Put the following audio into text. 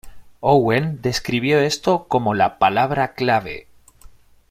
Owen describió esto como la palabra clave.